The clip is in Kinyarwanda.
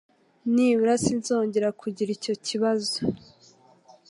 Nibura sinzongera kugira icyo kibazo.